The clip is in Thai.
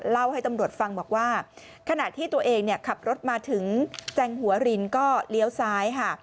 เล่าให้ตำรวจฟังบอกว่าขณะที่ตัวเองขับรถมาถึงแจงหัวรินก็เลี้ยวซ้ายค่ะ